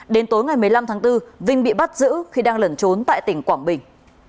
đến tối ngày một mươi năm tháng bốn vinh bị bắt giữ khi đang lẩn trốn tại tỉnh quảng bình